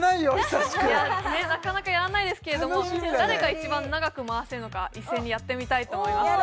久しくなかなかやらないですけれども誰が一番長く回せるのか一斉にやってみたいと思います